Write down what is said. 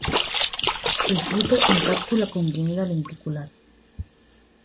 El fruto en cápsula comprimida lenticular.